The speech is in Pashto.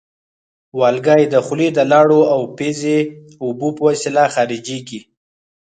والګی د خولې د لاړو او پزې اوبو په وسیله خارجېږي.